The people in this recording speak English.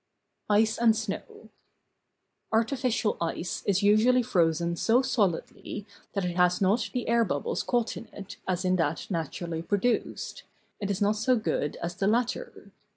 ice and snow. Artificial ice is usually frozen so solidly that it has not the air bubbles caught in as in that naturally produced ; it is not so good as the latter.